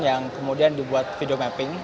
yang kemudian dibuat video mapping